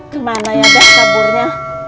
kemana ya dah saburnya